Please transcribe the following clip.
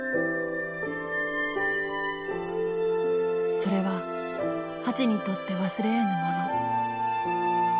それはハチにとって忘れ得ぬもの。